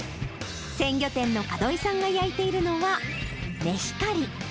鮮魚店の門井さんが焼いているのはメヒカリ。